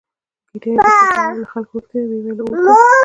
ګیدړې د پوست له امله له خلکو وتښتېده او ویې ویل اور دی